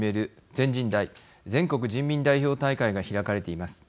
全人代＝全国人民代表大会が開かれています。